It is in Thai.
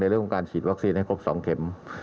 เรื่องของการฉีดวัคซีนให้ครบ๒เข็ม